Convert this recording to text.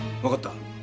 分かった。